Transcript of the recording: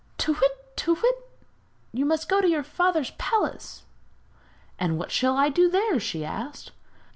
'Tu whit, tu whit! you must go to your father's palace!' 'And what shall I do there?' she asked.